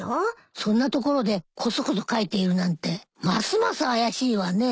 そんな所でこそこそ書いているなんてますます怪しいわね。